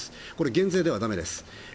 減税ではだめです。